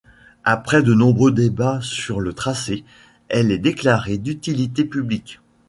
Après de nombreux débats sur le tracé, elle est déclarée d'utilité publique.